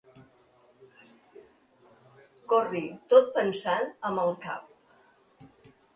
Corri tot pensant amb el cap.